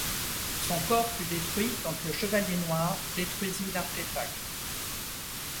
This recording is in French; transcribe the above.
Son corps fut détruit quand le Chevalier Noir détruisit l'artefact.